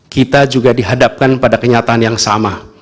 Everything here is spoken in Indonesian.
kita juga dihadapkan pada kenyataan yang sama